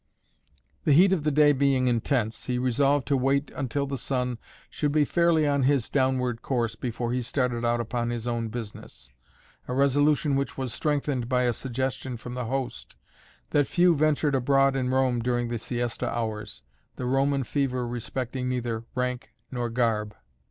The heat of the day being intense, he resolved to wait until the sun should be fairly on his downward course before he started out upon his own business, a resolution which was strengthened by a suggestion from the host, that few ventured abroad in Rome during the Siesta hours, the Roman fever respecting neither rank nor garb.